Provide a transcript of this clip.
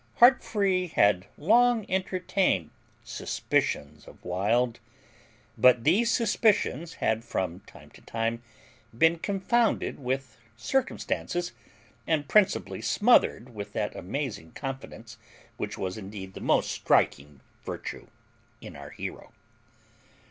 Heartfree had long entertained suspicions of Wild, but these suspicions had from time to time been confounded with circumstances, and principally smothered with that amazing confidence which was indeed the most striking virtue in our hero.